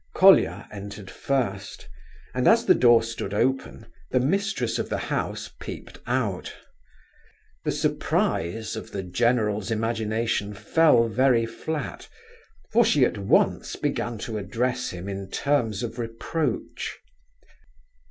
...." Colia entered first, and as the door stood open, the mistress of the house peeped out. The surprise of the general's imagination fell very flat, for she at once began to address him in terms of reproach.